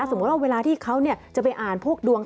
สมมุติว่าเวลาที่เขาจะไปอ่านพวกดวง